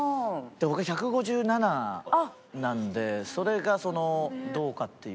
僕１５７なんでそれがそのどうかっていう。